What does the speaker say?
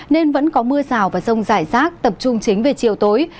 nên vẫn có mưa rào và rông rải rác tập trung chính về chiều tối